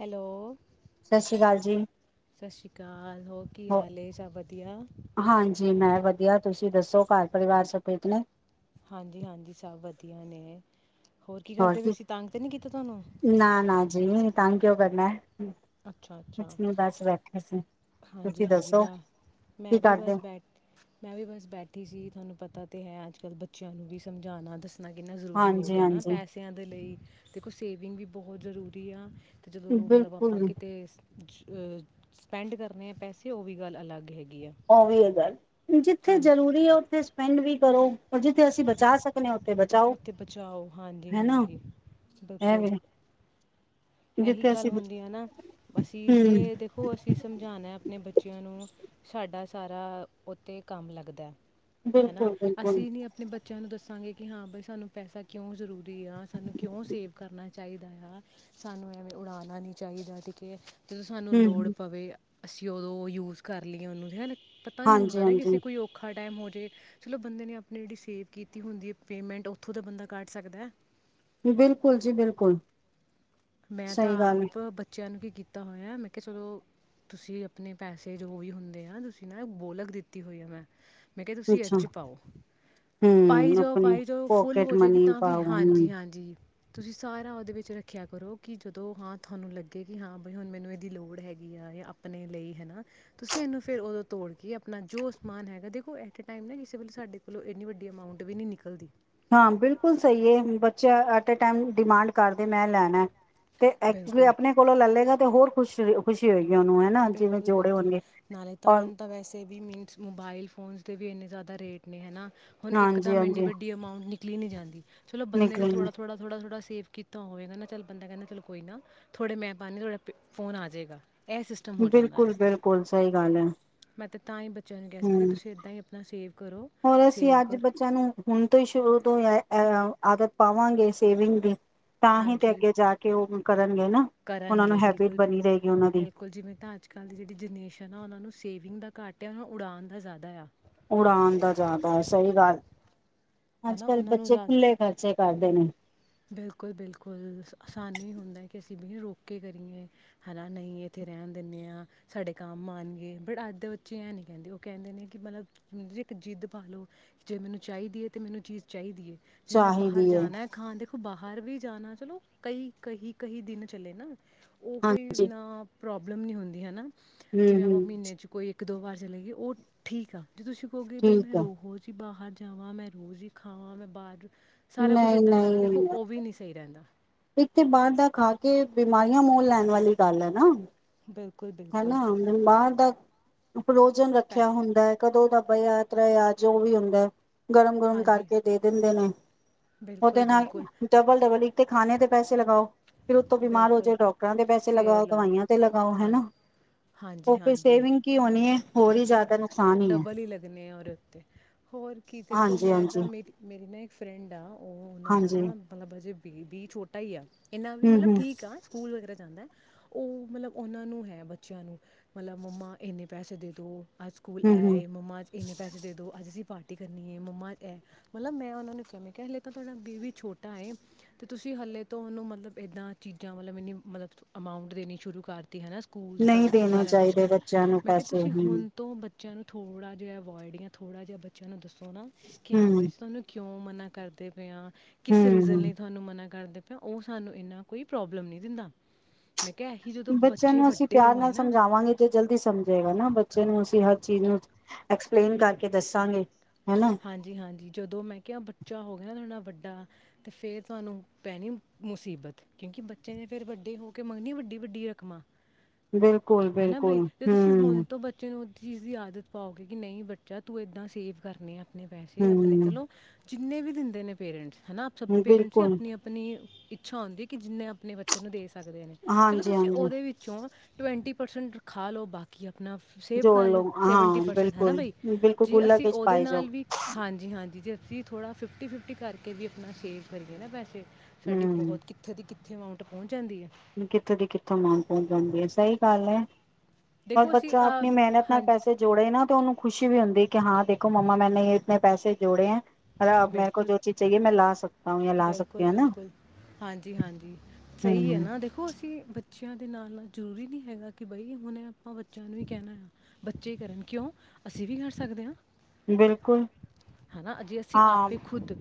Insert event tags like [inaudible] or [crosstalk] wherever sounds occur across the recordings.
Hello, ਸਤਿ ਸ੍ਰੀ ਅਕਾਲ ਜੀ। ਸਤਿ ਸ਼੍ਰੀ ਅਕਾਲ ਹੋਰ ਕੀ ਹੋ ਹਾਲ ਏ ਸਭ ਵਧੀਆ ਹਾਂਜੀ, ਮੈਂ ਵਧੀਆ ਤੁਸੀਂ ਦੱਸੋ ਘਰ -ਪਰਿਵਾਰ ਸਭ ਠੀਕ ਨੇ। ਹਾਂਜੀ -ਹਾਂਜੀ ਸਭ ਵਧੀਆ ਨੇ। ਹੋਰ ਕਰਦੇ ਪਏ ਕੀ, ਸੀ ਤੰਗ ਤਾਂ ਨਹੀਂ ਕੀਤਾ ਤੁਹਾਨੂੰ ਨਾ- ਨਾ ਜੀ। ਤਾਂ, ਕਿਉਂ ਕਰਨਾ ਹੈ। ਅੱਛਾ ਕੁਛ -ਅੱਛਾ, ਨੀ ਬਸ ਬੈਠੇ ਸੀ ਤੁਸੀਂ ਹਾਂਜੀ -ਹਾਂਜੀ ਦੱਸੋ ਬ ਕੀ ਮੈਂ ਵੀ ਕਰਦੇ ਬਸ ਬੈਠ ਮੈਂ ਵੀ ਬਸ ਬੈਠੀ ਸੀ ਤੁਹਾਨੂੰ ਪਤਾ ਤੇ ਹੈ ਅੱਜ ਕੱਲ੍ਹ ਬੱਚਿਆਂ ਨੂੰ ਵੀ ਸਮਝਾਉਣਾ ਦੱਸ ਕਿੰਨਾ ਜ਼ਰੂਰੀ ਹੋ ਹਾਂਜੀ ਗਿਆ ਨਾ ਹਾਂਜੀ ਪੈਸਿਆਂ ਦੇ ਲਈ ਕੁੱਛ ਸੇਵਿੰਗ ਵੀ ਬਹੁਤ ਜ਼ਰੂਰੀ ਆ। ਅਤੇ ਜਦੋਂ ਮਤਲਬ ਆਪ ਬਿਲਕੁਲ ਬਾਕੀ ਤੇ ਸਪੈਂਡ ਕਰਨੇ ਆ ਪੈਸੇ ਉਹ ਵੀ ਗੱਲ ਅਲੱਗ ਹੈਗੀ। ਆ ਉਹ ਵੀਹ ਹਜ਼ਾਰ ਜਿੱਥੇ ਹਾਂਜੀ ਜਰੂਰੀ ਹੈ ਉੱਥੇ ਸਪੈਂਡ ਵੀ ਕਰੋ, ਪਰ ਜਿੱਥੇ ਅਸੀਂ ਬਚਾ ਸਕਦੇ ਹਾਂ। ਉੱਥੇ ਬਚਾਓ ਉੱਥੇ ਬਚਾਓ, ਹਾਂਜੀ ਹਨਾ -ਹਾਂਜੀ ਤੁਸੀ ਇਹ ਦਸੋ। ਵੀ ਇਹੀ ਜਿੱਥੇ ਗੱਲ ਅਸੀਂ ਹੁੰਦੀ ਆ ਨਾ, ਅਸੀਂ ਹਮ ਤੇ ਦੇਖੋ ਅਸੀਂ ਸਮਝਾਣਾ ਹੈ ਆਪਣੇ ਬੱਚਿਆਂ ਨੂੰ ਸਾਡਾ ਸਾਰਾ ਉੱਤੇ ਕੰਮ ਲੱਗਦਾ। ਹੈਨਾ ਬਿਲਕੁਲ ਬਿਲਕੁਲ ਅਸੀਂ ਨੀ ਆਪਣੇ ਬੱਚੇ ਬੱਚਿਆਂ ਨੂੰ ਦੱਸਾਂਗੇ ਕਿ ਹਾਂ ਬਾਈ ਸਾਨੂੰ ਪੈਸਾ ਕਿਉਂ ਜ਼ਰੂਰੀ ਆ, ਸਾਨੂੰ ਕਿਉਂ ਸੇਵ ਕਰਨਾ ਚਾਹੀਦਾ ਆ। ਸਾਨੂੰ ਐਵੇਂ ਉਡਾਉਣਾ ਨਹੀਂ ਚਾਹੀਦਾ। ਠੀਕ ਏ। ਜਦੋਂ ਸਾਨੂੰ ਲੋੜ ਹਮ ਪਵੇ ਅਸੀਂ ਉਦੋਂ ਯੂਜ ਕਰ ਲਈਏ ਉਹਨੂੰ ਹੈ ਨਾ। ਪਤਾ ਨੀ ਹਾਂਜੀ ਹੁੰਦਾ ਨਾ ਹਾਂਜੀ ਕਿਸੇ ਕੋਈ ਔਖਾ ਟਾਈਮ ਹੋ ਜਾ ਚਲੋ ਬੰਦੇ ਨੇ ਆਪਣੀ ਜਿਹੜੀ ਸੇਵ ਕੀਤੀ ਹੁੰਦੀ ਪੇਮੈਂਟ ਉੱਥੋਂ ਦਾ ਬੰਦਾ ਕੱਢ ਸਕਦਾ। ਬਿਲਕੁਲ ਜੀ ਬਿਲਕੁਲ। ਮੈਂ ਤਾਂ ਸਹੀ ਗੱਲ ਆਪ ਹੈ ਬੱਚਿਆਂ ਨੂੰ ਵੀ ਕੀਤਾ ਹੋਇਆ ਮੈਂ ਕਿਹਾ ਚਲੋ, ਤੁਸੀਂ ਆਪਣੇ ਪੈਸੇ ਜੋ ਵੀ ਹੁੰਦੇ ਆ ਤੁਸੀਂ ਨਾ ਬੋਲਕ ਦਿੱਤੀ ਹੋਈ ਆ ਮੈਂ। ਮੈਂ ਕਿਹਾ ਤੁਸੀਂ ਇਹਦੇ ਅੱਛਾ ਚ ਪਾਓ। ਪਾਈ ਹੂੰ ਆਪਣੀ ਜਾਓ-ਪਾਈ ਜਾਓ ਫੁੱਲ ਪੋਕੇਟ ਹੋ ਜਾਵੇਗੀ ਮਨੀ ਤਾਂ ਵੀ, ਪਾਓ ਹੂੰ ਹਾਂਜੀ-ਹਾਂਜੀ। ਤੁਸੀਂ ਸਾਰਾ ਉਹਦੇ ਵਿੱਚ ਰੱਖਿਆ ਕਰ ਕਰੋ ਕਿ ਜਦੋਂ ਹਾਂ ਤੁਹਾਨੂੰ ਲੱਗੇ ਕਿ ਹਾਂ ਬ ਹੁਣ ਮੈਨੂੰ ਇਹਦੀ ਲੋੜ ਹੈਗੀ ਆ ਜਾਂ ਆਪਣੇ ਲਈ ਹੈ ਨਾ ਤੁਸੀਂ ਇਹਨੂੰ ਫਿਰ ਉਦੋਂ ਤੋੜ ਕੇ ਆਪਣਾ ਜੋ ਸਮਾਨ ਹੈਗਾ ਦੇਖੋ ਐਟ ਏ ਟਾਈਮ ਨਾ ਕਿਸੇ ਵੇਲੇ ਸਾਡੇ ਕੋਲੋਂ ਐੰਨੀ ਵੱਡੀ ਅਮਾਊਂਟ ਵੀ ਨਹੀਂ ਨਿਕਲਦੀ। ਹਾਂ, ਬਿਲਕੁਲ ਸਹੀ ਹੈ ਬੱਚਾ ਅ ਐਟ ਏ ਟਾਈਮ ਡਿਮਾਂਡ ਕਰਦੇ ਮੈਂ ਲੈਣਾ ਤੇ ਐਕਚੁਲੀ ਬਿਲਕੁਲ ਆਪਣੇ ਕੋਲੋਂ ਲੈ ਲਏਗਾ ਤੇ ਹੋਰ ਖੁਸ਼ ਰਈ ਓਹ ਖੁਸ਼ੀ ਹੋਈ ਬਿਲਕੁਲ- ਬਿਲਕੁਲ ਨਾਲੇ ਤਾਂ ਔਰ ਹੁਣ ਤਾਂ ਵੈਸੇ ਵੀ ਮੀਨਸ ਮੋਬਾਇਲ ਫੋਨ ਤੇ ਵੀ ਇੰਨੇ ਜ਼ਿਆਦਾ ਰੇਟ ਨੇ ਹਨਾ ਹੁਣ ਇੱਕਦਮ ਇੰਨੀ ਹਾਂਜੀ-ਹਾਂਜੀ ਵੱਡੀ ਅਮਾਊਂਂਟ ਨਿਕਲੀ ਨੀ ਜਾਂਦੀ ਚਲੋ ਬੰਦੇ ਨੇ ਨਿਕਲਣਗੇ ਥੋੜ੍ਹਾ-ਥੋੜ੍ਹਾ, ਥੋੜ੍ਹਾ-ਥੋੜ੍ਹਾ ਸੇਵ ਸੇਵ ਕੀਤਾ ਹੋਵੇਗਾ ਨਾ ਚੱਲ ਬੰਦਾ ਕਹਿੰਦਾ ਚਲ ਕੋਈ ਨਾ ਥੋੜੇ ਮੈਂ ਪਾ ਦਿੰਨਾ ਤੁਹਾਡਾ ਫੋਨ ਆ ਜੇਗਾ। ਬਿਲਕੁਲ-ਬਿਲਕੁਲ, ਸਹੀ ਗੱਲ ਹੈ। ਤਾਈਂ ਬੱਚ ਚਲ ਗਿਆ ਸੀ ਮੈਂ ਕਿਹਾ ਹੂੰ ਤੁਸੀਂ ਇੱਦਾਂ ਹੀ ਅਪ ਨਾ ਸੇਫ ਹੋਰ ਅਸੀਂ ਅੱਜ ਬੱਚਿਆਂ ਨੂੰ ਹੁਣ ਤੋਂ ਹੀ ਸ਼ੁਰੂ ਤੋਂ ਆਹ ਆ ਆਦਤ ਪਾਵਾਂਗੇ ਸੇਵਿੰਗ ਦੀ। ਤਾਂ ਹੀ ਤੇ ਹਾਂਜੀ ਅੱਗੇ ਜਾ ਕੇ ਉਹ ਕਰਨਗੇ ਨਾ ਉਹਨਾਂ ਨੂੰ ਕਰਨਗੇ ਹੈਬਿਟ ਬਿਲਕੁਲ ਬਿਲ ਬਣੀ ਰਹੇਗੀ ਉਹਨਾਂ ਦੀ ਬਿਲਕੁਲ ਜਿਵੇਂ ਤਾਂ ਅੱਜ ਕੱਲ੍ਹ ਦੀ ਜਿਹੜੀ ਜਨਰੇਸ਼ਨ ਆ ਉਹਨਾਂ ਨੂੰ ਸੇਵਿੰਗ ਦਾ ਘੱਟ ਆ ਉਹਨਾਂ ਨੂੰ ਉਡਾਣ ਦਾ ਜ਼ਿਆਦਾ ਆ। ਉਡਾਣ ਦਾ ਜ਼ਿਆਦਾ ਹੈ, ਸਹੀ ਗੱਲ ਹੈ ਅੱਜ ਨਾ ਕੱਲ ਉਹਨਾਂ ਬੱਚੇ ਖੁੱਲੇ ਖ਼ਰਚੇ ਕਰਦੇ ਨੇ। ਬਿਲਕੁਲ-ਬਿਲਕੁਲ ਸਾਨੂੰ ਵੀ ਹੁੰਦਾ ਕਿ ਅਸੀਂ ਵੀ ਰੋਕੇ ਕੇ ਕਰੀਏ ਹਨਾ ਨਹੀਂ ਇੱਥੇ ਰਹਿਣ ਦਿੰਦੇ ਹਾਂ, ਸਾਡੇ ਕੰਮ ਆਣਗੇ ਬਟ ਅੱਜ ਦੇ ਬੱਚੇ ਐਂ ਨਹੀਂ ਕਹਿੰਦੇ ਉਹ ਕਹਿੰਦੇ ਨੇ ਕਿ ਮਤਲਬ ਇੱਕ ਜਿੱਦ ਪਾ ਲਉ ਜੇ ਮੈਨੂੰ ਚਾਹੀਦੀ ਹੈ, ਤਾਂ ਮੈਨੂੰ ਚੀਜ਼ ਚਾਹੀਦੀ ਹੈ। ਜੇ ਮੈਂ ਬਾਹਰ ਜਾਣਾ ਹੈ ਖਾਣ ਦੇਖੋ ਬਾਹਰ ਵੀ ਜਾਣਾ ਚਲੋ ਕਈ ਕਹੀ ਕਹੀ ਦਿਨ ਚਲੇ ਨਾ ਉਹ, ਕੋਈ ਹਾਂਜੀ ਨਾ ਪ੍ਰੋਬਲਮ ਨਹੀਂ ਹੁੰਦੀ ਹੈ ਨਾ ਹਮ ਜਿਵੇਂ ਆਪਾਂ ਹਮ ਮਹੀਨੇ ਚ ਕੋਈ ਇੱਕ ਦੋ ਵਾਰ ਚਲੇ ਗਏ ਉਹ ਠੀਕ ਆ। ਜੇ ਤੁਸੀਂ ਕਹੋਗੇ ਬਈ ਠੀਕ ਮੈਂ ਹੈ ਰੋਜ਼ ਈ ਬਾਹਰ ਜਾਵਾਂ ਮੈਂ, ਰੋਜ਼ ਹੀ ਖਾਵਾਂ ਮੈਂ ਬਾਹਰ ਸਾਰਾ ਕੁਛ ਇੱਦਾਂ ਕਰਾਂ ਦੇਖੋ ਨਹੀਂ-ਨਹੀਂ, ਉਹ ਵੀ ਨਹੀਂ ਸਹੀ ਰਹਿੰਦਾ। ਇੱਕ ਤੇ ਬਾਹਰ ਦਾ ਖਾ ਕੇ ਬਿਮਾਰੀਆਂ ਮੋਲ ਲੈਣ ਵਾਲੀ ਗੱਲ ਹੈ ਨਾ ਬਿਲਕੁਲ ਬਿਲਕੁਲ ਹਨਾ ਮੈਂ ਬਾਹਰ ਦਾ ਫ੍ਰੋਜਨ ਪੈ ਰੱਖਿਆ ਹੁੰਦਾ ਹੈ ਕਦੋਂ ਦਾ ਬਯਾਂ ਤ੍ਰਯਾ ਜੋ ਵੀ ਹੁੰਦਾ ਗਰਮ ਗਰਮ ਹਾਂਜੀ ਕਰਕੇ ਦੇ ਦਿੰਦੇ ਨੇ ਉਹਦੇ ਬਿਲਕੁਲ ਨਾਲ ਬਿਲਕੁਲ ਡਬਲ ਡਬਲ ਇੱਕ ਤੇ ਖਾਣੇ ਦੇ ਪੈਸੇ ਲਗਾਓ ਫਿਰ ਉਤੋਂ ਬਿਮਾਰ ਹੋ ਬਿਲਕੁਲ ਜਾਓ ਡਾਕਟਰਾਂ ਦੇ ਪੈਸੇ ਫੇਰ ਲਗਾਓ ਲਾਓ ਦਵਾਈਆਂ ਤੇ ਲਗਾਓ ਹਾਂ ਹਨਾ। ਓ ਹਾਂਜੀ ਫੇਰ ਸੇਵਿੰਗ ਕੀ ਹੋਣੀ ਏ ਹੋਰ ਹੀ ਜਾ ਕੇ ਉਹ ਡਬਲ ਹੀ ਲੱਗਣੇ ਆ ਉਹਦੇ ਉੱਤੇ ਹੋਰ ਕੀ ਦੇਖੋ ਹਾਂਜੀ ਮੈਂ ਹਾਂਜੀ ਤਾਂ ਮੇਰੀ ਮੇਰੀ ਨਾ ਇੱਕ ਫਰੈਂਡ ਆ ਉਹ ਉਹਨਾਂ ਦਾ ਹਾਂਜੀ ਨਾ ਮਤਲਬ ਅਜੇ ਬੇਬੀ ਛੋਟਾ ਹੀ ਆ ਇੰਨਾ ਵੀ ਹਮ ਮਤਲਬ ਹਮ ਠੀਕ ਆ‌ ਸਕੂਲ ਵਗੈਰਾ ਜਾਂਦਾ ਏ। ਉਹ ਮਤਲਬ ਉਹਨਾਂ ਨੂੰ ਹੈ ਬੱਚਿਆਂ ਨੂੰ ਮਤਲਬ ਮੰਮਾ ਇੰਨੇ ਪੈਸੇ ਦੇ ਦੋ ਅੱਜ ਸਕੂਲ ਐ ਹੂੰ-ਹੂੰ ਏ ਮੰਮਾ ਇੰਨੇ ਪੈੇ ਦੇ ਦੋ ਅੱਜ ਅਸੀ ਪਾਰਟੀ ਕਰਨੀ ਹੈ ਮੰਮਾ ਮਤਲਬ ਮੈਂ ਉਹਨਾ ਨੂੰ ਕ ਹਲੇ ਤਾਂ ਤੁਹਾਡਾ ਬੀਬੀ ਛੋਟਾ ਤੇ ਤੁਸੀਂ ਹਲੇ ਤੋਂ ਉਹਨੂੰ ਮਤਲਬ ਏਦਾਂ ਚੀਜ਼ਾਂ ਮਤਲਬ ਮਤਲਬ ਅਮਾਊਂਟ ਦੇਣੀ ਸ਼ੁਰੂ ਕਰ ਤੀ ਹਨਾ ਸਕੂਲਸ ਦਾ ਨਹੀਂ ਵਿੱਚ ਦੇਣੇ ਸਾਰਾ ਕੁਛ ਚਾਹੀਦੇ ਕਰਨਾ ਬੱਚਿਆਂ ਨੂੰ ਮੈਂ ਕਿਹਾ ਪੈਸੇ ਤੁਸੀਂ ਹੁਣ ਤੋਂ ਬਚਿਆਂ ਨੂੰ ਥੋੜਾ ਜਿਹਾ ਅਵੋਇਡ ਜਾਂ ਥੋੜਾ ਜਿਹਾ ਬੱਚਿਆਂ ਨੂੰ ਦਸੋ ਨਾ ਕਿ ਹਾਂ ਬਾਈ ਤੁਹਾਨੂੰ ਕਿਉਂ ਮਨਾਂ ਕਰਦੇ ਪਏ ਆ ਕਿਸ ਰੀਜ਼ਨ ਲਈ ਹੂੰ-ਹੂੰ-ਹੂੰ ਤੁਹਾਨੂੰ ਮਨਾ ਕਰਦੇ ਉਹ ਸਾਨੂੰ ਇੰਨਾ ਕੋਈ ਪ੍ਰੋਬਲਮ ਨਹੀਂ ਦਿੰਦਾ ਮੈਂ ਕਿਹਾ ਇਹੀ ਜਦੋਂ ਬੱਚਿਆਂ ਬੱਚੇ ਨੂੰ ਅਸੀਂ ਵੱਡੇ ਪਿਆਰ ਹੋਏ ਨਾਲ ਨਾ ਸਮਝਾਵਾਂਗੇ ਜੇ ਜਲਦੀ ਸਮਝੇਗਾ ਨਾ ਬੱਚੇ ਨੂੰ ਅਸੀਂ ਚੀਜ਼ ਨੂੰ ਐਕਸਪਲੇਨ ਕਰਕੇ ਦੱਸਾਂਗੇ। ਹਨਾ ਹਾਂਜੀ ਹਾਂਜੀ ਜਦੋਂ ਮੈਂ ਕਿਹਾ ਬੱਚੇ ਬੱਚਾ ਹੋ ਗਿਆ ਨਾ ਤੁਹਾਡਾ ਵੱਡਾ ਅਤੇ ਫਿਰ ਤੁਹਾਨੂੰ ਪੈਣੀ ਮੁਸੀਬਤ ਕਿਉਂਕਿ ਬੱਚੇ ਨੇ ਫਿਰ ਵੱਡੇ ਹੋ ਕੇ ਮੰਗਣੀ ਵੱਡੀ ਵੱਡੀ ਰਕਮਾਂ ਹੈ ਨਾ ਬਈ ਬਿਲਕੁਲ-ਬਿਲਕੁਲ ਤੇ ਤੁਸੀਂ ਹੁਣ ਹੂੰ ਤੋਂ ਬੱਚੇ ਨੂੰ ਉਸ ਚੀਜ਼ ਦੀ ਆਦਤ ਪਾਓਗੇ ਕਿ ਨਹੀਂ ਬੱਚਾ ਤੂੰ ਇੱਦਾਂ ਸੇਵ ਕਰਨੇ ਆ। ਆਪਣੇ ਪੈਸੇ ਆਪਣੇ ਹੂੰ ਚਲੋ ਜਿੰਨੇ ਵੀ ਦਿੰਦੇ ਨੇ ਪੇਰੈਂਟਸ ਹਨਾ ਆਪ ਸਭ ਪੇਰੈਂਟਸ ਹੀ ਬਿਲਕੁਲ ਆਪਣੀ-ਆਪਣੀ ਇੱਛਾ ਹੁੰਦੀ ਕਿ ਜਿੰਨੇ ਆਪਣੇ ਬੱਚੇ ਨੂੰ ਦੇ ਸਕਦੇ ਨੇ। ਚਲੋ ਤੁਸੀਂ ਹਾਂਜੀ-ਹਾਂਜੀ ਉਹਦੇ ਵਿੱਚੋਂ ਟਵੰਟੀ- ਪਰਸੈਂਟ ਖਾ ਲਓ, ਬਾਕੀ ਆਪ- ਆਪਣਾ ਸੇਵ ਜੋੜ ਕਰ ਲੋ। ਲਓ ਹਾਂ ਸੈਵਨਟੀ ਪਰਸੈਂਟ ਹੈ ਨਾ ਬਿਲਕੁਲ ਬਾਈ। ਬਿਲਕੁਲ ਜੇ ਗੁੱਲਕ ਅਸੀਂ ਵਿੱਚ ਉਹਦੇ ਪਾਈ ਜਾਓ ਨਾਲ ਵੀ ਹਾਂਜੀ -ਹਾਂਜੀ ਜ ਅਸੀਂ ਥੋੜ੍ਹਾ ਫਿਫਟੀ -ਫਿਫਟੀ ਕਰਕੇ ਵੀ ਆਪਣਾ ਸੇਵ ਕਰੀਏ ਨਾ ਪੈਸੇ ਸਾਡੀ ਹੂੰ ਬਹੁਤ ਕਿੱਥੇ ਦੀ ਕਿੱਥੇ [unintelligible] ਕਿੱਥੋਂ ਦੀ ਕਿੱਥੋਂ ਅਮਾਊਂਟ ਪਹੁੰਚ ਜਾਂਦੀ ਹੈ। ਸਹੀ ਕਾਲ ਹੈ। ਪਰ ਦੇਖੋ ਅਸੀਂ ਬੱਚਾ ਆਪਣੀ ਅਮ, ਮਿਹਨਤ ਨਾਲ ਹਾਂਜੀ ਪੈਸੇ ਜੋੜੇ ਤੇ ਉਹਨੂੰ ਖੁਸ਼ੀ ਵੀ ਹੁੰਦੀ। ਕੇ ਹਾਂ ਦੇਖੋ ਮੰਮਾ ਮੈਂਨੇ ਇਤੇ ਪੈਸੇ ਜੋੜੇ ਹੈ। ਅਬ ਮੇਰੇ ਕੋ ਬਿਲਕੁਲ ਜੋ ਚੀਜ਼ ਚਾਹੀਏ ਮੈਂ ਲਾ ਸਕਤਾ ਹੂ ਜਾਂ ਲਾ ਸਕਤੀ ਬਿਲਕੁਲ ਹੈ ਨਾ ਬਿਲਕੁਲ ਹਾਂਜੀ ਹ ਕਿ ਬੱਚਿਆਂ ਦੇ ਨਾਲ-ਨਾਲ ਜ਼ਰੂਰੀ ਨਹੀਂ ਹੈਗਾ ਕਿ ਬਈ ਹੁਣ ਆਪਾਂ ਬੱਚਿਆਂ ਨੂੰ ਵੀ ਕਹਿਣਾ ਆ ਬੱਚੇ ਕਰਨ ਕਿਉਂ ਅਸੀਂ ਵੀ ਕਰ ਸਕਦੇ ਹਾਂ। ਬਿਲਕੁਲ ਹਨਾ ਜੇ ਅਸੀਂ ਹਾਂ ਆਪੇ ਖੁਦ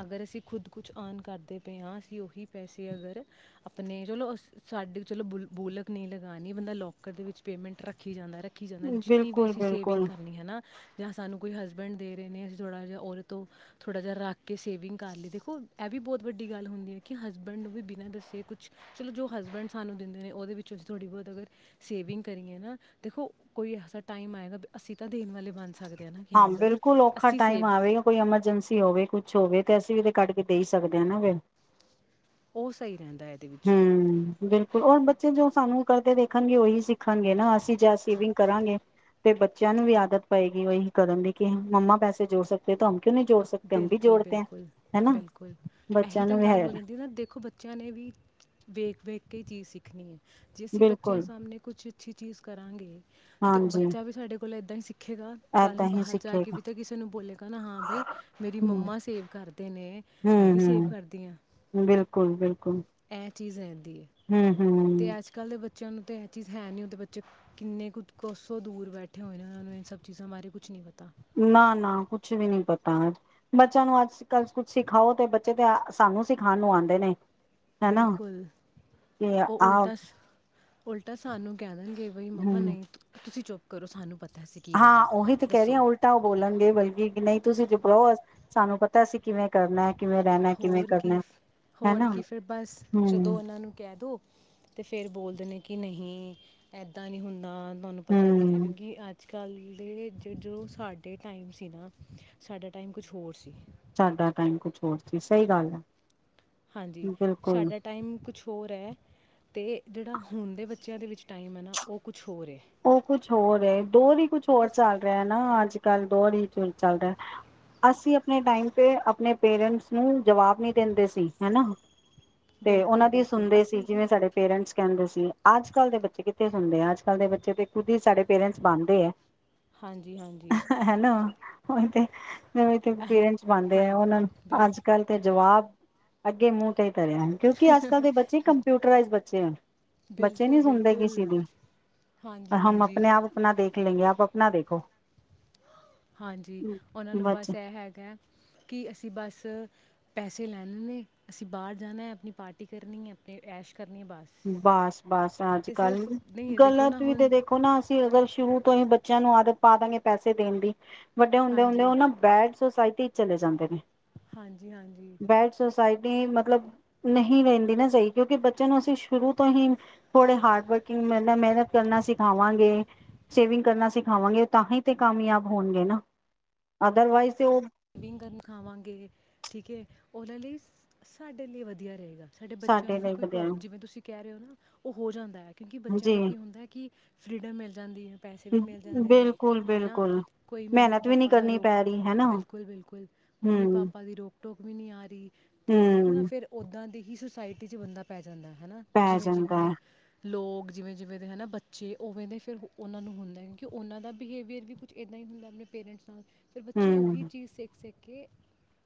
ਅਗਰ ਅਸੀਂ ਖੁਦ ਕੁਛ ਔਨ ਕਰਦੇ ਪਏ ਹਾਂ ਅਸੀਂ ਉਹੀ ਪੈਸੇ ਅਗਰ ਆਪਣੇ ਚਲੋ ਅ ਸਾਡੇ ਚਲੋ ਬੁਲ ਬੋਲਕ ਨਹੀਂ ਲਗਾਉਣੀ ਬੰਦਾ ਲੋਕੌਕਰ ਦੇ ਵਿੱਚ ਪੇਮੈਂਟ ਰੱਖੀ ਜਾਂਦਾ ਰੱਖ ਰੱਖੀ ਜਾਂਦਾ ਜਿੰਨੀ ਵੀ ਬਿਲਕੁਲ ਅਸੀਂ ਸੇਵਿੰਗ ਬਿਲਕੁਲ ਕਰਨੀ ਹੈ ਨਾ ਜਾਂ ਸਾਨੂੰ ਕੋਈ ਹਸਬੈਂਡ ਦੇ ਰਹੇ ਨੇ ਅਸੀਂ ਥੋੜਾ ਜਿਹਾ ਉਹਦੇ ਤੋਂ ਥੋੜ੍ਹਾ ਜਿਹਾ ਰੱਖ ਕੇ ਸੇਵਿੰਗ ਕਰ ਲਈ ਦੇਖੋ ਇਹ ਵੀ ਬਹੁਤ ਵੱਡੀ ਗੱਲ ਹੁੰਦੀ ਹੈ। ਕਿ ਹਸਬੈਂਡ ਨੂੰ ਵੀ ਬਿਨਾਂ ਦੱਸੇ ਕੁਛ ਚਲੋ ਜੋ ਹਸਬੈਂਡ ਸਾਨੂੰ ਦਿੰਦੇ ਨੇ ਉਹਦੇ ਵਿੱਚੋਂ ਅਸੀਂ ਥੋੜ੍ਹੀ ਬਹੁਤ ਅਗਰ ਸੇਵਿੰਗ ਕਰੀਏ ਨਾ ਦੇਖੋ ਕੋਈ ਐਸਾ ਟਾਈਮ ਆਏਗਾ ਅਸੀਂ ਤਾਂ ਦੇਣ ਵਾਲੇ ਬਣ ਸਕਦੇ ਆ ਨਾ ਕਿ ਹਾਂ, ਬਈ ਬਿਲਕੁਲ ਔਖਾ ਅਸੀਂ ਸੇਵ ਟਾਈਮ ਆਵੇ ਕੋਈ ਐਮਰਜੈਂਸੀ ਹੋਵੇ ਕੁਛ ਹੋਵੇ ਤੇ ਅਸੀਂ ਵੀ ਤੇ ਕੱਢ ਕੇ ਦੇ ਹੀ ਸਕਦੇ ਹਾਂ ਨਾ ਫਿਰ ਉਹ ਸਹੀ ਰਹਿੰਦਾ ਹੈ ਇਹਦੇ ਵਿੱਚ ਹੂ ਬਿਲਕੁਲ ਉਹ ਬੱਚੇ ਜੋ ਸਾਨੂੰ ਕਰਦੇ ਦੇਖਣਗੇ ਉਹੀ ਸਿੱਖਣਗੇ ਨਾ ਅਸੀਂ ਜਾਂ ਸੇਵਿੰਗ ਕਰਾਂਗੇ ਤੇ ਬੱਚਿਆਂ ਨੂੰ ਵੀ ਆਦਤ ਪਏਗੀ ਉਹੀ ਕਰਨ ਦੀ ਕਿ ਮੰਮਾ ਪੈਸੇ ਜੋੜ ਸਕਦੇ ਤੋ ਹਮ ਕਿਉਂ ਨਹੀਂ ਜੋੜ ਸਕਤੇ ਹਮ ਵੀ ਬਿਲਕੁਲ ਜੋੜਤੇ ਹੈ -ਬਿਲਕੁਲ ਹੈਨਾ -ਬਿਲਕੁਲ ਇਹੀ ਬੱਚਿਆਂ ਤਾਂ ਨੂੰ ਵੀ ਗੱਲ ਹੋ ਜਾਂਦੀ ਹੈ। ਨਾ ਦੇਖੋ ਬੱਚਿਆਂ ਨੇ ਵੀ ਵੇਖ-ਵੇਖ ਕੇ ਹੀ ਚੀਜ਼ ਸਿੱਖਣੀ ਹੈ। ਜੇ ਅਸੀ ਬੱਚਿਆਂ ਬਿਲਕੁਲ ਸਾਹਮਣੇ ਕੁੱਛ ਅੱਛੀ ਚੀਜ਼ ਕਰਾਂਗੇ ਤੇ ਉਹ ਹਾਂਜੀ ਬੱਚਾ ਵੀ ਸਾਡੇ ਕੋਲ ਓ ਇਦਾਂ ਹੀ ਸਿਖੇਗਾ ਕੱਲ ਏਦਾਂ ਨੂੰ ਹੀ ਬਾਹਰ ਜਾ ਕੇ ਸਿੱਖੇਗਾ ਵੀ ਤਾਂ ਕਿਸੇ ਨੂੰ ਬੋਲੇਗਾ ਨਾ ਹਾਂ ਬਈ ਮੇਰੀ ਹੂੰ ਮੰਮਾ ਸੇਵ ਕਰਦੇ ਨੇ ਹੂੰ ਮੈਂ ਵੀ ਸੇਵ ਕਰਦੀ ਹਾਂ ਹਮ ਇਹ ਚੀਜ਼ ਹੈ ਤੇ ਅਜ ਕੱਲ੍ਹ ਦੇ ਬੱਚੇ ਬੱਚਿਆਂ ਨੂੰ ਤਾਂ ਇਹ ਚੀਜ਼ ਹੈ ਨਹੀਂ ਹੁੰਦੇ ਬੱਚੇ ਕਿੰਨੇ ਕੁ ਕੁ ਸੋਂ ਦੂਰ ਬੈਠੇ ਹੋਏ ਨੇ ਉਹਨਾਂ ਨੂੰ ਇਹ ਸਭ ਚੀਜ਼ਾਂ ਬਾਰੇ ਕੁਛ ਨਹੀਂ ਪਤਾ ਨਾ ਨਾ ਕੁਛ ਵੀ ਨੀ ਪਤਾ ਬੱਚਿਆਂ ਨੂੰ ਅੱਜ ਕੱਲ ਕੁਛ ਸਿਖਾਓ ਤੇ ਬੱਚੇ ਤੇ ਸਾਨੂੰ ਸਿਖਾਉਣ ਨੂੰ ਆਉਂਦੇ ਨੇ ਹਨਾ ਬਿਲਕੁਲ ਕਿ ਉਹ ਆਹ ਉਲਟਾ ਉਲਟਾ ਸਾਨੂੰ ਕਹਿ ਦੇਣਗੇ ਬਈ ਮੰਮਾ ਹੂੰ ਨਹੀਂ ਤੁਸੀਂ ਚੁੱਪ ਕਰੋ ਸਾਨੂੰ ਪਤਾ ਅਸੀਂ ਕੀ ਹਾਂ ਉਹੀ ਕਰਨਾ ਤੇ ਕਹਿ ਰਹੀ ਹ ਦੱਸੋ ਉਲਟਾ ਉਹ ਬੋਲਣਗੇ ਬਲਕਿ ਕਿ ਨਹੀਂ ਤੁਸੀਂ ਚੁੱਪ ਰਹੋ ਸਾਨੂੰ ਪਤਾ ਅਸੀਂ ਕਿਵੇਂ ਕਰਨਾ ਕਿਵੇਂ ਰਹਿਣਾ ਕਿਵੇਂ ਹੋਰ ਕੀ ਕਰਨਾ ਹੋਰ ਹਨਾ ਕੀ ਫਿਰ ਬਸ ਜਦੋਂ ਹੂੰ ਉਹਨਾਂ ਨੂੰ ਕਹਿ ਦੋ ਤੇ ਫੇਰ ਬੋਲਦੇ ਨੇ ਕਿ ਨਹੀਂ ਏਦਾਂ ਨੀ ਹੁੰਦਾ ਤੁਹਾਨੂੰ ਪਤਾ ਤੇ ਹੈ ਹੂੰ ਕਿਉਂਕਿ ਅੱਜ ਅੱ ਕੱਲ੍ਹ ਦੇ ਜ ਜੋ ਸਾਡੇ ਟਾਈਮ ਸੀ ਨਾ ਸਾਡਾ ਟਾਈਮ ਕੁਛ ਹੋਰ ਸੀ ਸਾਡਾ ਟਾਈਮ ਕੁਛ ਹੋਰ ਸੀ ਸਹੀ ਗੱਲ ਹੈ ਹਾਂਜੀ ਬਿਲਕੁਲ ਸਾਡਾ ਟਾਈਮ ਕੁਛ ਹੋਰ ਹੈ ਤੇ ਜਿਹੜਾ ਹੁਣ ਦੇ ਬੱਚਿਆਂ ਦੇ ਵਿੱਚ ਟਾਈਮ ਹੈ ਨਾ ਉਹ ਕੁ ਉਹ ਕੁੱਛ ਹੋਰ ਹੈ ਦੋ ਹੀ ਕੁਛ ਹੋਰ ਦੇਖੋ ਚੱਲ ਰਿਹਾ ਨਾ ਅੱਜ ਗੱਲ ਦੋ ਹੀ ਚ ਚੱਲਦਾ ਅਸੀਂ ਆਪਣੇ ਟਾਈਮ ਤੇ ਆਪਣੇ ਪੇਰੈਂਟਸ ਨੂੰ ਜਵਾਬ ਨਹੀਂ ਦਿੰਦੇ ਸੀ ਹਨਾ ਤੇ ਬਿਲਕੁਲ ਉਹਨਾਂ ਦੀ ਬਿਲਕੁਲ ਸੁਣਦੇ ਸੀ ਅਸੀਂ ਜਿਵੇਂ ਹੀ ਸਾਡੇ ਪੇਰੈਂਟਸ ਕਹਿੰਦੇ ਸੀ ਅੱਜ ਕੱਲ ਦੇ ਬੱਚੇ ਕਿੱਥੇ ਸੁਣਦੇ ਆ ਅੱਜ ਕੱਲ ਦੇ ਬੱਚੇ ਖੁਦ ਹੀ ਸਾਡੇ ਪੇਰੈਂਟਸ ਬਣਦੇ ਹੈ ਹਾਂਜੀ ਹਾਂਜੀ ਹਨਾ ਓਹੀ ਤੇ ਇਹੀ ਪੇਰੈਂਟਸ ਬਣਦੇ ਹਾਂ ਆ ਉਹਨਾਂ ਨੂੰ ਅੱਜ ਬਿਲਕੁਲ ਕੱਲ੍ਹ ਤੇ ਜਵਾਬ ਅੱਗੇ ਮੂੰ ਤੇ ਹਨ ਕਿਉਂਕਿ ਅੱਜੱਲ ਦੇ ਬੱਚੇ ਕੰਪਿਊਰਾਈਜ਼ ਅੱਛਾ ਬੱਚੇ ਬਿਲਕੁਲ ਨਹੀਂੀ ਸੁਣਦੇ ਕਿਸੇ ਬਿਲਕੁਲ ਦੀ ਹਾਂਜੀ ਹਮ ਹਾਂਜੀ ਆਪਣੇ ਆਪ ਆਪਣਾ ਦੇਖੇ ਨਹੀਂ ਆਪ ਆਪਣਾ ਦੇਖੋ। ਹਾਂਜੀ, ਉਹਨਾਂ ਨੂੰ ਬੱਚੇ ਬਸ ਇਹ ਹੈਗਾ ਕਿ ਅਸੀਂ ਬਸ ਪੈਸੇ ਲੈਣੇ ਨੇ ਅਸੀਂ ਬਾਹਰ ਜਾਣਾ ਆਪਣੀ ਪਾਰਟੀ ਕਰਨੀ ਹੈ। ਐਸ਼ ਕਰਨੀ ਹੈ ਬਸ ਬਸ-ਬਸ ਅੱਜ ਅਤੇ ਕੱਲ ਸਿਰਫ ਨਹੀਂ ਦੇਖੋ ਨਾ ਗਲਤ ਵੀ ਤੇ ਹੁਣ ਦੇਖੋ ਨਾ ਅਸੀਂ ਅਗਰ ਸ਼ੁਰੂ ਤੋਂ ਹੀ ਬੱਚਿਆਂ ਨੂੰ ਆਦਤ ਪਾ ਦਾਂਗੇ ਪੈਸੇ ਦੇਣ ਦੀ ਵੱਡੇ ਹੁੰਦੇ-ਹੁੰਦੇ ਹਾਂਜੀ ਉਹ ਨਾ ਬੈਡਸ ਸੁੋਸਾਇਟੀ ਚ ਚਲੇ ਜਾਂਦੇ ਨੇ। ਹਾਂਜੀ-ਹਾਂਜੀ ਸੋਸਾਇਟੀ ਮਤਲਬ ਨਹੀਂ ਰਹਿੰਦੀ ਨਾ ਸਹੀ ਕਿਉਂਕਿ ਬੱਚਿਆਂ ਨੂੰ ਅਸੀਂ ਸ਼ੁਰੂ ਤੋਂ ਹੀ ਥੋੜੇ ਹਾਰਡ ਵਰਕਿੰਗ, ਮੇਹਨਤ ਕਰਨਾ ਸਿਖਾਵਾਂਗੇ, ਸੇਵਿੰਗ ਕਰਨਾ ਸਿਖਾਵਾਂਗੇ ਤਾਂਹੀ ਤੇ ਕਾਮਯਾਬ ਹੋਣਗੇ ਨਾ ਅਦਰਵਾਈਜ਼ ਤੇ ਉਹ [unintelligible] ਖਾਵਾਂਗੇ ਠੀਕ ਏ। ਉਹਨਾਂ ਹੀ ਸਾਡੇ ਲਈ ਵਧੀਆ ਰਹੇਗਾ। ਸਾਡੇ ਬੱਚਿਆਂ ਨੂੰ ਵੀ ਲਈ ਕੋਈ ਵਧੀਆ ਪ੍ਰੋਬਲਮ ਨੀ। ਜਿਵੇਂ ਤੁਸੀਂ ਕਹਿ ਰਹੇ ਹੋ ਨਾ ਉਹ ਹੋ ਜਾਂਦਾ ਹੈ ਕਿਉਂਕਿ ਬੱਚਿਆਂ ਜੀ ਨੂੰ ਕੀ ਹੁੰਦਾ ਕਿ ਫ੍ਰੀਡਮ ਮਿਲ ਜਾਂਦੀ ਪੈਸੇ ਵੀ ਮਿਲ ਜਾਂਦੇ ਨੇ ਹੈ ਨਾ ਬਿਲਕੁਲ-ਬਿਲਕੁਲ ਕੋਈ ਮੰਮੀ ਮਿਹਨਤ ਵੀ ਨੀ ਪਾਪਾ ਦਾ ਕਰਨੀ ਰੋਕ ਪੈ ਰਹੀ ਹਨਾ ਬਿਲਕੁਲ-ਬਿਲਕੁਲ ਮੰਮੀ ਪਾਪਾ ਦੀ ਰੋਕ ਟੋਕ ਵੀ ਨੀ ਆ ਰਹੀ ਤੇ ਦੇਖੋ ਹੂੰ-ਹੂੰ ਨਾ ਫੇਰ ਓਦਾਂ ਦੀ ਹੀ ਸੋਸਾਇਟੀ 'ਚ ਬੰਦਾ ਬੈ ਹਨਾ ਪੈ ਜਿਵੇਂ-ਜਿਵੇਂ ਜਾਂਦਾ ਹੈ ਦੇ ਲੋਗ ਜਿਵੇਂ-ਜਿਵੇਂ ਦੇ ਹੈ ਨਾ ਬੱਚੇ ਉਵੇਂ ਦੇ ਫਿਰ ਉਹਨਾਂ ਨੂੰ ਹੁੰਦਾ ਹੈ। ਕਿਉਂਕਿ ਉਹਨਾਂ ਦਾ ਬਿਹੇਵੀਅਰ ਵੀ ਕੁਝ ਇੱਦਾਂ ਹੀ ਹੁੰਦਾ ਆਪਣੇ ਪੇਰੈਂਟਸ ਨਾਲ ਫਿਰ ਬੱਚੇ ਉਹੀ ਹਮ ਸੇਕ ਸੇਕੇ ਕੇ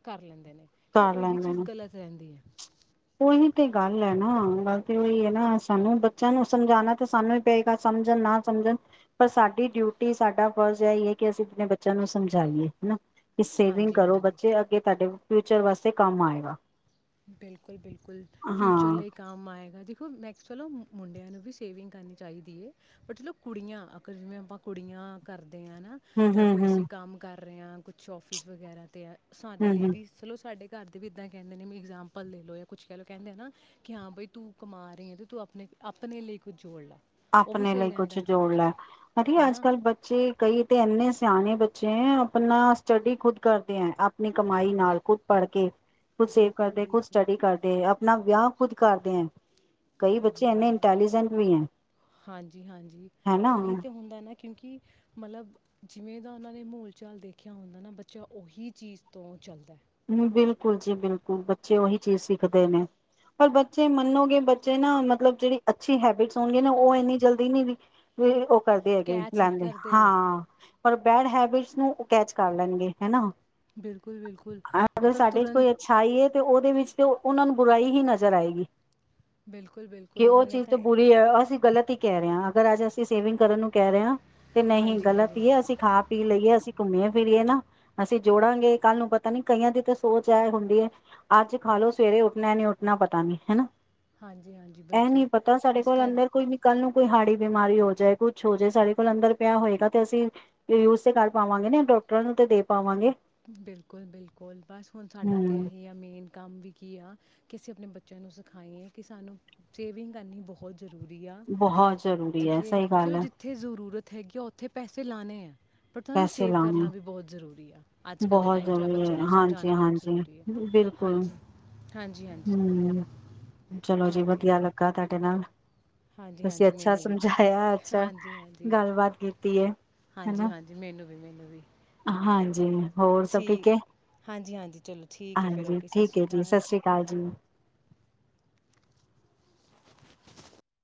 ਕਰ ਲੈਂਦੇ ਨੇ। ਫਿਰ ਕਰ ਉਹ ਵੀ ਲੈਂਦੇ ਚੀਜ਼ ਨੇ ਗ਼ਲਤ ਰਹਿੰਦੀ ਐ। ਉਹੀ ਤੇ ਗੱਲ ਹੈ ਨਾ ਗੱਲ ਤੇ ਉਹੀ ਹੈ ਨਾ ਗੱਲ ਤੇ ਉਹੀ ਹੈ ਨਾ ਸਾਨੂੰ ਬੱਚਿਆਂ ਨੂੰ ਸਮਝਾਉਣਾ ਤਾਂ ਸਾਨੂੰ ਹੀ ਪਏਗਾ ਸਮਝਣ ਨਾ ਸਮਝਣ ਪਰ ਸਾਡੀ ਡਿਊਟੀ, ਸਾਡਾ ਫਰਜ਼ ਹੈਹੀ ਹੈ ਕਿ ਅਸੀਂ ਆਪਣੇ ਬੱਚਿਆਂ ਨੂੰ ਸਮਝਾਈਏ ਹਨਾ। ਕਿ ਸੇਵਿੰਗ ਹਾਂਜੀ ਕਰੋ ਹਾਂਜੀ ਬੱਚੇ ਅੱਗੇ ਤੁਹਾਡੇ ਫਿਊਚਰ ਵਾਸਤੇ ਕੰਮ ਆਏਗਾ। ਬਿਲਕੁਲ ਬਿਲਕੁਲ-ਬਿਲਕੁਲ ਹਾਂ ਫਿਊਚਰ ਲਈ ਕੰਮ ਆਏਗਾ। ਦੇਖੋ [unintelligible] ਮੁੰਡਿਆਂ ਨੂੰ ਵੀ ਸੇਵਿੰਗ ਕਰਨੀ ਚਾਹੀਦੀ ਹੈ। ਬਟ ਕੁੜੀਆਂ ਅਗਰ ਜਿਵੇਂ ਆਪਾਂ ਕੁੜੀਆਂ ਕਰਦੇ [unintelligible] ਹਮ ਜਾਂ ਹਮ ਕੋਈ ਹਮ ਅਸੀਂ ਹਮ ਕੰਮ ਕਰ ਕਰ ਰਹੇ ਹਾ ਕੁਛ ਆਫਿਸ ਵਗੈਰਾ ਤੇ ਆ ਸਾਡੇ ਹਮ ਲਈ ਵੀ ਚਲੋ ਸਾਡੇ ਘਰ ਦੇ ਵੀ ਐਦਾਂ ਕਹਿੰਦੇ ਨੇ ਬਈ। ਇਗਜੈਮਪਲ ਦੇ ਲਓ ਜਾਂ ਕੁਛ ਕਹਿ ਲਓ ਕਹਿੰਦੇ ਨਾ ਕਿ ਹਾਂ ਤੂੰ ਕਮਾ ਰਹੀ ਹੈ ਤੇ ਤੂੰ ਆਪਣੇ-ਆਪਣੇ ਲਈ ਕੁਝ ਜੋੜ ਲੈ। ਆਪਣੇ ਲਈ ਕੁਛ ਜੋੜ ਲੈ, ਅਰੇ ਹੈ ਅੱਜ ਨਾ? ਕੱਲ੍ਹ ਬੱਚੇ ਕਈ ਤੇ ਇੰਨੇ ਸਿਆਣੇ ਬੱਚੇ ਚੇਂ ਆਪਣਾ ਸਟਡੀ ਖੁਦ ਕਰਦੇ ਐਂ ਆ ਆਪਣੀ ਕਮਾਈ ਹਾਂ, ਨਾਲ ਖੁਦ ਪੜ੍ਹ ਕੇ ਖੁਦ ਸੇਵ ਬਿਲਕੁਲ, ਕਰਦੇ ਖੁਦ ਬਿਲਕੁਲ। ਸਟੱਡੀ ਕਰਦੇ ਆ ਨਾ ਵਿਆਹ ਖੁਦ ਕਰਦੇ ਐ। ਕਈ ਬੱਚੇ ਹਾਂਜੀ, ਇੰਨੇ ਹਾਂਜੀ। ਇੰਟੈਲੀਜੈਂਟ ਵੀ ਐਂ। ਹਾਂਜੀ ਹਾਂਜੀ ਉਹੀ ਤੇ ਹੁੰਦਾ ਐ ਨਾ। ਕਿਉਂਕਿ ਮਤਲਬ ਜਿਵੇਂ ਦਾ ਉਹਨਾਂ ਨੇ ਮਾਹੌਲ ਚਾਲ ਦੇਖਿਆ ਹੁੰਦਾ ਨਾ ਬੱਚਾ ਉਹੀ ਚੀਜ਼ ਤੋਂ ਚੱਲਦਾ ਏ। ਬਿਲਕੁਲ ਜੀ ਬਿਲਕੁਲ ਬੱਚੇ ਉਹੀ ਚੀਜ਼ ਸਿੱਖਦੇ ਨੇ ਪਰ ਬੱਚੇ ਮੰਨੋਗੇ ਬੱਚੇ ਨਾ ਮਤਲਬ ਜਿਹੜੀ ਅੱਛੀ ਹੈਬਿਟਸ ਹੋਣਗੇ ਨਾ ਉਹ ਇੰਨੀ ਜਲਦੀ ਨੀ। ਕਰਦੇ ਹੈਗੇ ਕੈਚ ਨਹੀਂ ਲੈਂਦੇ ਕਰਦੇ ਹਾਂ ਪਰ ਬੈਡ ਹੈਬਿਟ ਨੂੰ ਕੈਚ ਕਰ ਲੈਣਗੇ ਹੈ ਨਾ ਬਿਲ ਹਾ ਅਗਰ ਸਾਡੇ ਚ ਕੋਈ ਅੱਛਾਈਏ ਹੈ ਤੇ ਉਹ ਉਹਦੇ ਵਿੱਚ ਤੇ ਉਹਨਾਂ ਨੂੰ ਬੁਰਾਈ ਹੀ ਨਜ਼ਰ ਆਏਗੀ। ਬਿਲਕੁਲ ਬਿਲਕੁਲ ਕੈ ਉਹ ਉਹਨਾਂ ਨੇ ਚੀਜ਼ ਤਾਂ ਬੁਰੀ ਹੈ ਅਸੀਂ ਗ਼ਲਤ ਹੀ ਕਹਿ ਰਹੇ ਹਾਂ ਅਗਰ ਅੱਜ ਅਸੀਂ ਸੇਵਿੰਗ ਕਰਨ ਨੂੰ ਕਹਿ ਰਹੇ ਹਾਂ। ਤੇ ਨਹੀਂ ਹਾਂਜੀ ਗਲਤ ਹਾਂਜੀ ਹੀਏ ਅਸੀਂ ਖਾ ਪੀ ਲਈਏ ਅਸੀਂ ਘੁੰਮਿਆ ਫਿਰੀਏ ਨਾ ਅਸੀਂ ਜੋੜਾਂਗੇ ਕੱਲ ਨੂੰ ਪਤਾ ਪਤਾ ਨੀ ਕਈਆਂ ਦੀ ਤਾਂ ਸੋਚ ਇਹ ਹੁੰਦੀ ਹੈ ਅੱਜ ਖਾਲੋ ਸਵੇਰੇ ਉੱਠਣਾ ਨੀ ਉੱਠਣਾ ਪਤਾ ਨੀ ਹੈ ਨਾ। ਹਾਂਜੀ ਹਾਂਜੀ ਇਹ ਨਹੀਂ ਬਿਲਕੁਲ ਪਤਾ ਸਾਡੇ ਇਸ ਕੋਲ ਕਰ ਅੰਦਰ ਕੋਈ ਵੀ ਕੱਲ ਨੂੰ ਕੋਈ ਹਾੜੀ ਬਿਮਾਰੀ ਹੋ ਜਾਏ ਕੁਛ ਹੋ ਜਾਏ ਸਾਡੇ ਕੋਲ ਅੰਦਰ ਪਿਆ ਹੋਏਗਾ ਤੇ ਅਸੀਂ ਯੂਜ ਤੇ ਕਰ ਪਾਵਾਂਗੇ ਨਾ ਡਾਕਟਰਾਂ ਨੂੰ ਤੇ ਦੇ ਪਾਵਾਂਗੇ। ਬਿਲਕੁੱਲ ਬਿਲਕੁਲ ਬਿਲਕੁਲ ਬਸ ਹੁਣ ਸਾਡਾ ਤੇ ਹਮ ਇਹੀ ਆ ਮੇਨ ਕੰਮ ਵੀ ਕੀ ਆ ਕਿ ਅਸੀਂ ਆਪਣੇ ਬੱਚਿਆਂ ਨੂੰ ਸਿਖਾਈਏ ਕਿ ਸਾਨੂੰ ਸੇਵਿੰਗ ਕਰਨੀ ਬਹੁਤ ਜ਼ਰੂਰੀ ਆ ਬਹੁਤ ਜ਼ਰੂਰੀ ਠੀਕ ਹੈ। ਸਹੀ ਗੱਲ ਚਲੋ, ਹੈ ਜਿੱਥੇ ਜ਼ਰੂਰਤ ਹੈਗੀ ਆ ਉੱਥੇ ਪੈਸੇ ਲਾਣੈ ਹੈ। ਪਰ ਤੁਹਾਨੂੰ ਪੈਸੇ ਸੇਵ ਲਾਣੇ ਕਰਨਾ ਵੀ ਬਹੁਤ ਜ਼ਰੂਰੀ ਆ। ਅੱਜ ਕੱਲ੍ਹ ਦੇ ਬਹੁਤ ਟਾਈਮ 'ਚ ਆ ਜ਼ਰੂਰੀ ਬੱਚਿਆਂ ਹੈ ਨੂੰ ਹਾਂਜੀ ਸਮਝਾਉਣਾ ਬਹੁਤ ਹਾਂਜੀ ਜ਼ਰੂਰੀ ਹੈ। ਬਿਲਕੁਲ ਹਾਂਜੀ ਹਾਂਜੀ ਹਾਂਜੀ ਹਮ ਚਲੋ ਜੀ ਹਾਂਜੀ ਵਧੀਆ ਲੱਗਾ ਤੁਹਾਡੇ ਨਾਲ ਹਾਂਜੀ ਤੁਸੀਂ ਹਾਂਜੀ ਅੱਛਾ ਮੈਨੂੰ ਵੀ ਸਮਝਾਇਆ ਅੱਛਾ ਹਾਂਜੀ ਹਾਂਜੀ ਗੱਲਬਾਤ ਕੀਤੀ ਹੈ। ਹਨਾ ਜੀ ਮੈਨੂੰ ਵੀ ਮੈਨੂੰ ਵੀ। ਹਾਂਜੀ ਹੋਰ ਸਭ ਠੀਕ ਹੈ ਹਾਂਜੀ ਹਾਂਜੀ ਚਲੋ ਠੀਕ ਹੈ ਫਿਰ ਹਾਂਜੀ ਓਕੇ ਸਤਿ ਠੀਕ ਸ਼੍ਰੀ ਹੈ ਜੀ ਸਤਿ ਸ੍ਰੀ ਅਕਾਲ ਜੀ